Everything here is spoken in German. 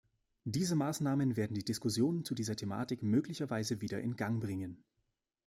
Diese Maßnahmen werden die Diskussionen zu dieser Thematik möglicherweise wieder in Gang bringen.